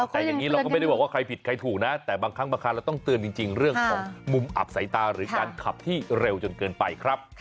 แต่อย่างนี้เราก็ไม่ได้บอกว่าใครผิดใครถูกนะแต่บางครั้งบางคันเราต้องเตือนจริงเรื่องของมุมอับสายตาหรือการขับที่เร็วจนเกินไปครับ